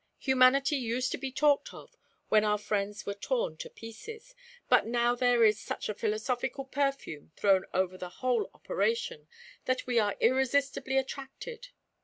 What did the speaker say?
Humanity used to be talked of when our friends were torn to pieces, but now there is such a philosophical perfume thrown over the whole operation, that we are irresistibly attracted.